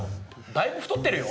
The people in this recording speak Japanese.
だいぶ太ってるよ。